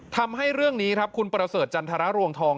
ทำให้เรื่องนี้ครับคุณประเสริฐจันทรรวงทอง